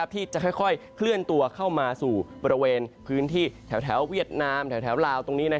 ที่จะค่อยเคลื่อนตัวเข้ามาสู่บริเวณพื้นที่แถวเวียดนามแถวลาวตรงนี้